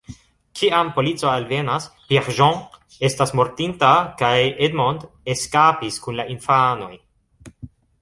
Kiam polico alvenas, Pierre-Jean estas mortinta kaj Edmond eskapis kun la infanoj.